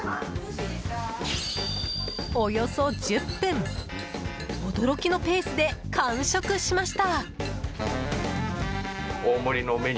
およそ１０分驚きのペースで完食しました。